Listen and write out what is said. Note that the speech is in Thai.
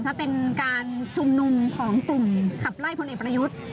ถ้าเป็นการชุมนุมของกลุ่มขับไล่พลเอกประยุทธ์